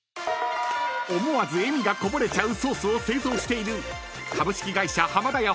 ［思わず笑みがこぼれちゃうソースを製造している株式会社浜田屋